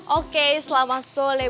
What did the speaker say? oke selamat soleh